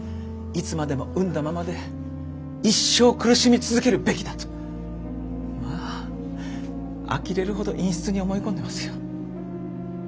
いつまでも膿んだままで一生苦しみ続けるべきだとまああきれるほど陰湿に思い込んでますよ。